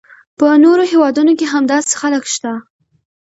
په نورو هیوادونو کې هم داسې خلک شته.